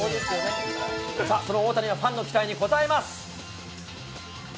その大谷がファンの期待に応えます。